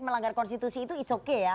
melanggar konstitusi itu it's okay ya